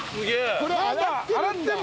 これ！